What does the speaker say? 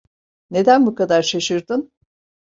Neden bu kadar şaşırdın?